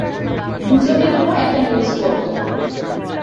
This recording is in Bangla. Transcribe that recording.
গুজবের উপর একটা নিউজ করব।